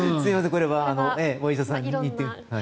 これはお医者さんに行って。